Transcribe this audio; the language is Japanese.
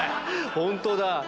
本当だ。